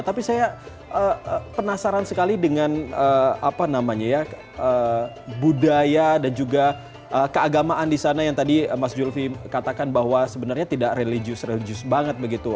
tapi saya penasaran sekali dengan apa namanya ya budaya dan juga keagamaan di sana yang tadi mas zulfi katakan bahwa sebenarnya tidak religius religius banget begitu